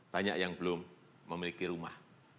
banyak yang belum memiliki rumah